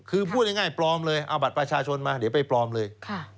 คือบาทประชาชนไปปลอมเลย